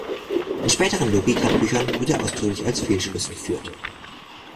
In späteren Logik-Handbüchern wird er ausdrücklich als Fehlschluss geführt.